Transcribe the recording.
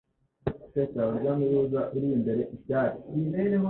Seka urujya n'uruza uririmbe icyari